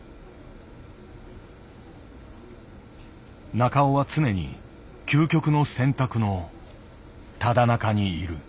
中尾は常に究極の選択のただなかにいる。